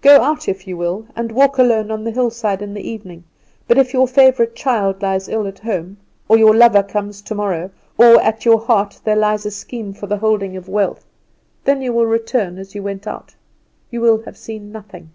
Go out if you will and walk alone on the hillside in the evening, but if your favourite child lies ill at home, or your lover comes tomorrow, or at your heart there lies a scheme for the holding of wealth, then you will return as you went out; you will have seen nothing.